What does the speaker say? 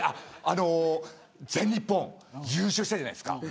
全日本優勝したじゃないですか。